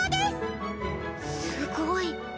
すごい。